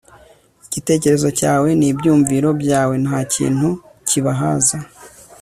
Igitekerezo cyawe nibyumviro byawe ntakintu kibahaza